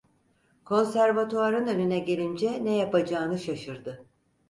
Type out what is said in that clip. Konservatuvarın önüne gelince ne yapacağını şaşırdı.